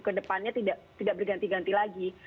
kedepannya tidak berganti ganti lagi